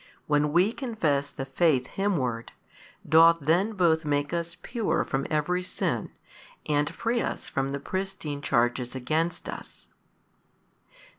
when we confess the faith Him ward, doth then both make us pure from every sin and free us from the pristine charges against us.